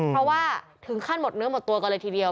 เพราะว่าถึงขั้นหมดเนื้อหมดตัวกันเลยทีเดียว